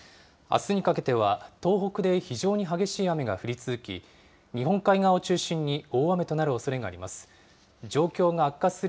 あすにかけては東北で非常に激しい雨が降り続き、日本海側を中心に大雨となるおそれがあります。